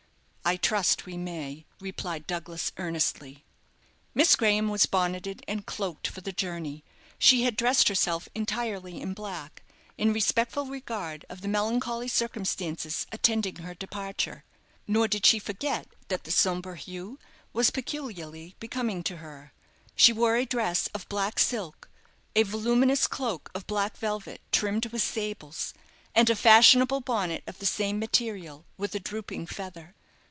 "I trust we may," replied Douglas, earnestly. Miss Graham was bonneted and cloaked for the journey. She had dressed herself entirely in black, in respectful regard of the melancholy circumstances attending her departure. Nor did she forget that the sombre hue was peculiarly becoming to her. She wore a dress of black silk, a voluminous cloak of black velvet trimmed with sables, and a fashionable bonnet of the same material, with a drooping feather.